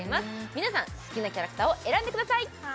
皆さん好きなキャラクターを選んでください